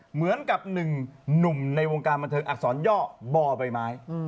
เหมือนกับหนึ่งหนุ่มในวงการบันเทิงอักษรย่อบ่อใบไม้